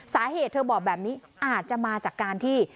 สาเหตุเธอบอกแบบนี้อาจจะมาจากการที่